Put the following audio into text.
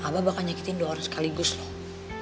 abah bakal nyakitin dua orang sekaligus loh